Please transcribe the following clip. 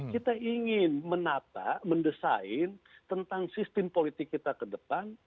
kita ingin menata mendesain tentang sistem politik kita ke depan